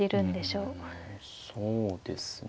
うんそうですね。